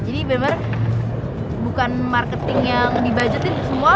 jadi bener bener bukan marketing yang dibudgetin semua